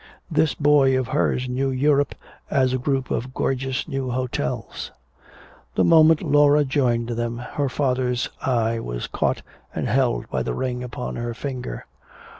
This boy of hers knew Europe as a group of gorgeous new hotels. The moment Laura joined them, her father's eye was caught and held by the ring upon her finger.